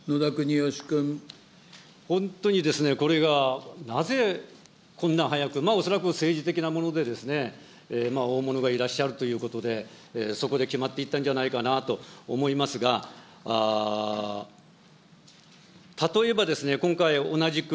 本当にこれがなぜこんな早く、恐らく政治的なもので、大物がいらっしゃるということで、そこで決まっていったんじゃないかなと思いますが、例えば今回、同じく、